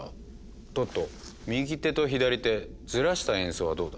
トット右手と左手ずらした演奏はどうだ。